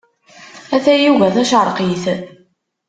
A tayuga tacerqit.